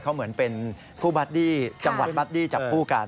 เขาเหมือนเป็นผู้บัดดี้จังหวัดบัดดี้จับคู่กัน